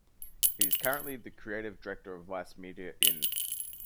He is currently the creative director of Vice Media, In.